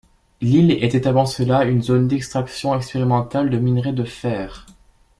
L'île était avant cela une zone d'extraction expérimentale de minerai de fer.